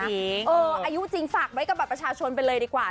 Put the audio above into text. เอออายุจริงฝากไว้กับประชาชนไปเลยดีกว่านะคะ